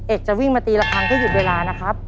จะวิ่งมาตีละครั้งเพื่อหยุดเวลานะครับ